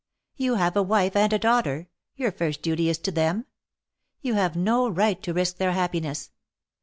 You have a wife and a daughter. Your first duty is to them. You have no right to risk their happiness.